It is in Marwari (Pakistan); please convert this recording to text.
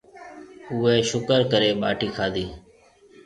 اُوئي شُڪر ڪريَ ٻاٽِي کادِي۔